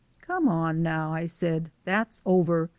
"Come on now," I said, "that's over.